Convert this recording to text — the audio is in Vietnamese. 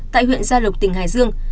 tại huyện gia lộc tỉnh hải dương